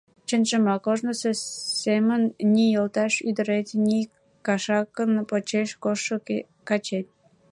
Чынжымак, ожнысо семын ни йолташ ӱдырет, ни кашакын почеш коштшо качет.